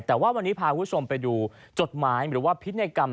แต่ว่าวันนี้พาคุณผู้ชมไปดูจดหมายหรือว่าพินัยกรรม